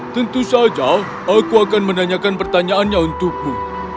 tentu saja aku akan menanyakan pertanyaannya untukmu